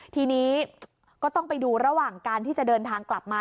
ทีนี้ก็ต้องไปดูระหว่างการที่จะเดินทางกลับมา